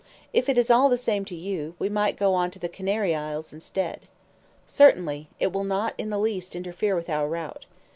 If it is all the same to you, we might go on to the Canary Isles instead." "Certainly. It will not the least interfere with our route."